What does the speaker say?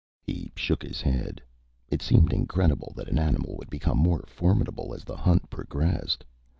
He shook his head. It seemed incredible that an animal would become more formidable as the hunt progressed.